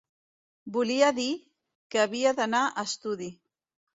Volia dir, que havia d'anar a estudi.